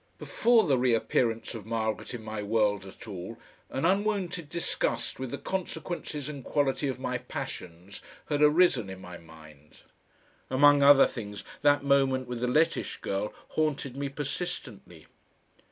Before the reappearance of Margaret in my world at all an unwonted disgust with the consequences and quality of my passions had arisen in my mind. Among other things that moment with the Lettish girl haunted me persistently.